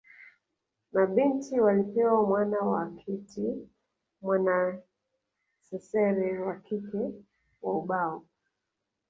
Mabinti walipewa mwana wa kiti mwanasesere wa kike wa ubao